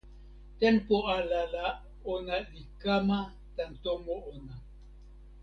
tenpo ala la ona li kama tan tomo ona.